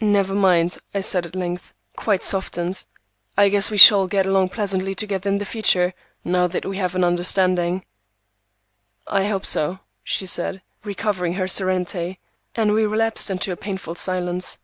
"Never mind," I said at length, quite softened; "I guess we shall get along pleasantly together in the future, now that we have an understanding." "I hope so," she said, recovering her serenity, and we relapsed into a painful silence.